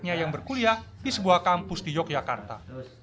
yang berkuliah di sebuah kampus di yogyakarta